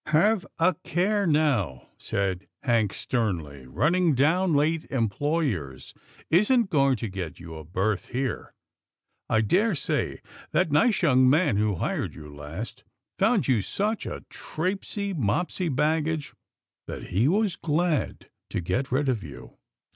" Have a care now," said Hank sternly, " running down late employers isn't going to get you a berth here. I daresay that nice young man who hired you last found you such a trapsey, mopsey baggage that he was glad to get rid of you."